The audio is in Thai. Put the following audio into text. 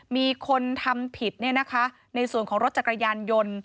มีคนทำผิดในส่วนของรถจักรยานยนต์